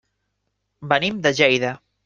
Venim de Lleida.